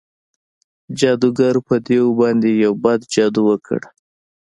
جادوګر په دیو باندې یو بد جادو وکړ.